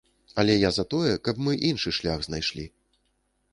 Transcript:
Але я за тое, каб мы іншы шлях знайшлі.